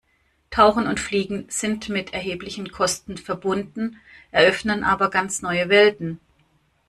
Tauchen und Fliegen sind mit erheblichen Kosten verbunden, eröffnen aber ganz neue Welten.